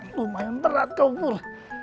lumayan berat kau pura